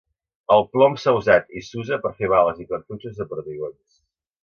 El plom s'ha usat i s’usa per fer bales i cartutxos de perdigons.